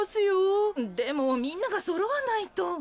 でもみんながそろわないと。